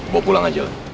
bawa pulang aja